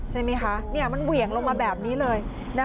เจ้ามันเวียงลงมาแบบนี้เลย